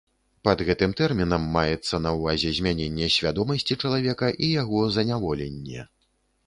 Пад гэтым тэрмінам маецца на ўвазе змяненне свядомасці чалавека і яго заняволенне.